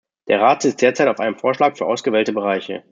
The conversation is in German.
Der Rat sitzt derzeit auf einem Vorschlag für ausgewählte Bereiche.